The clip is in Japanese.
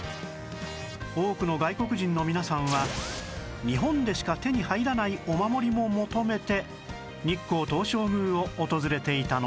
多くの外国人の皆さんは日本でしか手に入らないお守りも求めて日光東照宮を訪れていたのです